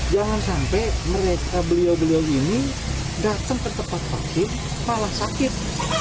jangan sampai beliau beliau ini datang ke tempat vaksin malah sakit